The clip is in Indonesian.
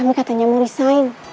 ami katanya mau resign